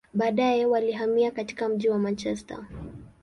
Baadaye, walihamia katika mji wa Manchester.